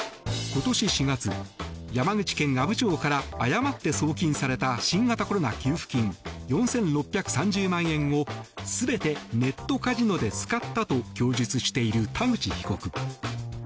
今年４月、山口県阿武町から誤って送金された新型コロナ給付金４６３０万円を全てネットカジノで使ったと供述している田口被告。